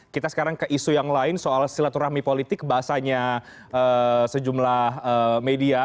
kita sekarang ke isu yang lain soal silaturahmi politik bahasanya sejumlah media